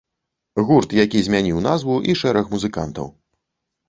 Гурт, які змяніў назву і шэраг музыкантаў.